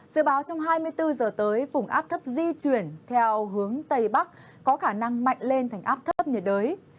dự báo trong hai mươi bốn giờ tới vùng áp thấp di chuyển theo hướng tây bắc có khả năng mạnh lên thành áp thấp nhiệt đới